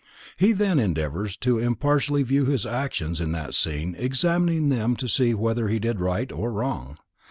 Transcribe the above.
He then endeavors to impartially view his actions in that scene examining them to see whether he did right or wrong.